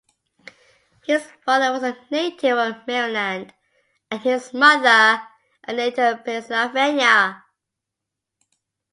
His father was a native of Maryland, and his mother a native of Pennsylvania.